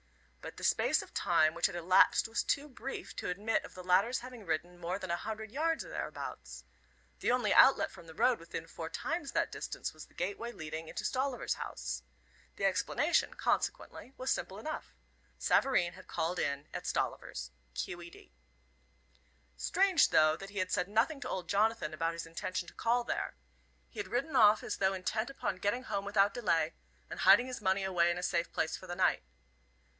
But the space of time which had elapsed was too brief to admit of the latter's having ridden more than a hundred yards or thereabouts. The only outlet from the road within four times that distance was the gateway leading into Stolliver's house. The explanation, consequently, was simple enough. Savareen had called in at Stollivers. Q. E. D. Strange, though, that he had said nothing to old Jonathan about his intention to call there. He had ridden off as though intent upon getting home without delay, and hiding his money away in a safe place for the night.